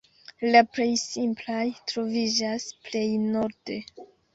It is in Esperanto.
La plej simplaj troviĝas plej norde.